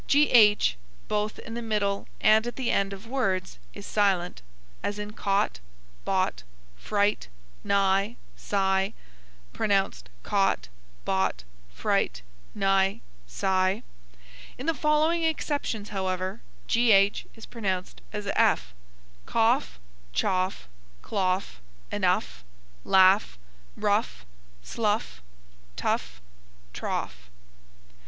GH, both in the middle and at the end of words is silent; as in caught, bought, fright, nigh, sigh; pronounced caut, baut, frite, ni, si. In the following exceptions, however, gh is pronounced as f: cough, chough, clough, enough, laugh, rough, slough, tough, trough.